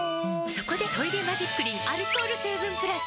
そこで「トイレマジックリン」アルコール成分プラス！